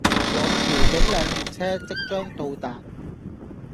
往調景嶺列車即將到達